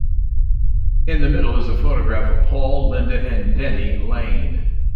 In the middle is a photograph of Paul, Linda, and Denny Laine.